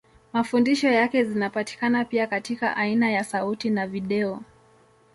Mafundisho yake zinapatikana pia katika aina ya sauti na video.